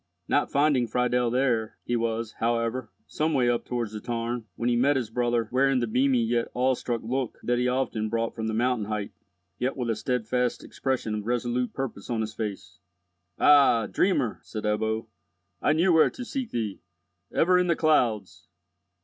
Not finding Friedel there, he was, however, some way up towards the tarn, when he met his brother wearing the beamy yet awestruck look that he often brought from the mountain height, yet with a steadfast expression of resolute purpose on his face. "Ah, dreamer!" said Ebbo, "I knew where to seek thee! Ever in the clouds!"